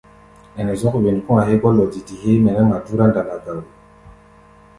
Ɛnɛ zɔ́k wen kɔ̧́-a̧ hégɔ́ lɔdidi héé mɛ nɛ́ ŋma dúrá ndamba ga wo.